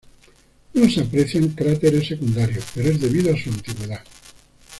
No se aprecian cráteres secundarios, pero es debido a su antigüedad.